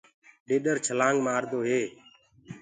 ڏيڏر ڇلآنگ مآردو هي۔